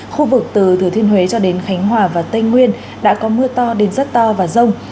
khu vực từ thừa thiên huế cho đến khánh hòa và tây nguyên đã có mưa to đến rất to và rông